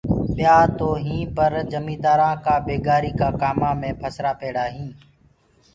ٻيآ تو هيٚنٚ پر جميدآرآنٚ ڪآ بيگاري ڪآ ڪآمانٚ مي پهسرآ پيڙآ هيٚنٚ۔